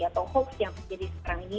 atau hoax yang terjadi sekarang ini